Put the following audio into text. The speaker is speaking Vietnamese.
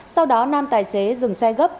sau đó năm tài xế dừng xe gấp